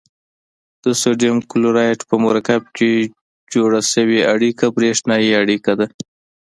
د سوډیم کلورایډ په مرکب کې جوړه شوې اړیکه بریښنايي اړیکه ده.